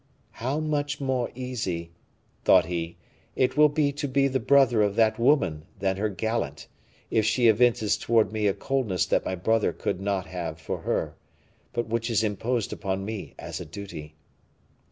"How much more easy," thought he, "it will be to be the brother of that woman than her gallant, if she evinces towards me a coldness that my brother could not have for her, but which is imposed upon me as a duty."